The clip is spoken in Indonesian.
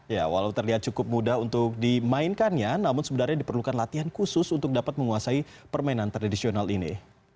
ya walau terlihat cukup mudah untuk dimainkannya namun sebenarnya diperlukan latihan khusus untuk dapat menguasai permainan tradisional ini